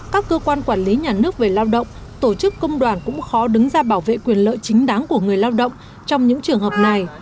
các cơ quan quản lý nhà nước về lao động tổ chức công đoàn cũng khó đứng ra bảo vệ quyền lợi chính đáng của người lao động trong những trường hợp này